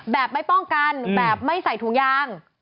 แบบไม่ป้องกันแบบไม่ใส่ถุงยาง